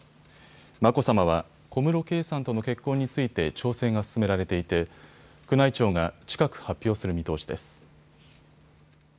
眞子さまは小室圭さんとの結婚について調整が進められていて宮内庁が近く発表する見通しです。